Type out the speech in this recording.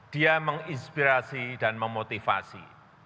dia menginspirasi dan memotivasi